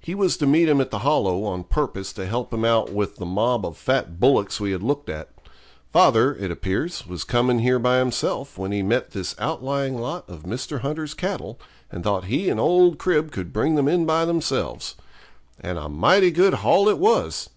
He was to meet him at the Hollow on purpose to help him out with the mob of fat bullocks we had looked at. Father, it appears, was coming here by himself when he met this outlying lot of Mr. Hunter's cattle, and thought he and old Crib could bring them in by themselves. And a mighty good haul it was.